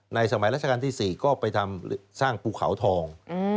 สมัยราชการที่๔ก็ไปทำสร้างภูเขาทอง